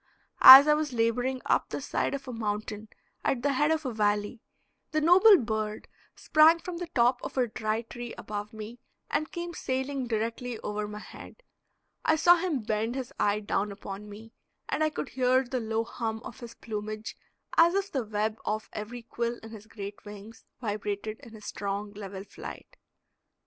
As I was laboring up the side of a mountain at the head of a valley, the noble bird sprang from the top of a dry tree above me and came sailing directly over my head. I saw him bend his eye down upon me, and I could hear the low hum of his plumage, as if the web off every quill in his great wings vibrated in his strong, level flight.